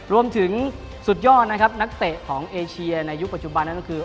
รวมถึงสุดยอดนักเตะของเอเชียในยุคปัจจุบันนั้นก็คือ